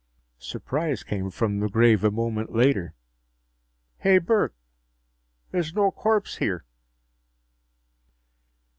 Surprise came from the grave a moment later. "Hey, Burke, there's no corpse here!"